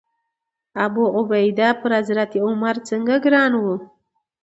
ابوعبیده پر حضرت عمر ځکه ګران و.